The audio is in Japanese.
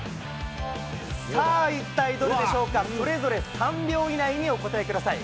さあ、いったいどれでしょうか、それぞれ３秒以内にお答えください。